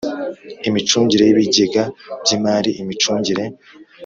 imicungire y ibigega by imari imicungire